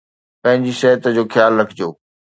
پنهنجي صحت جو خيال رکجو